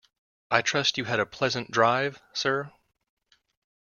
I trust you had a pleasant drive, sir.